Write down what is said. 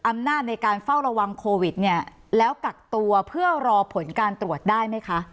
อำนาจในการเฝ้าระวังโควิดเนี่ยแล้วกักตัวเพื่อรอผลการตรวจได้ไหมคะ